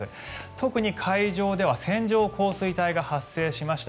特に海上では線状降水帯が発生しました。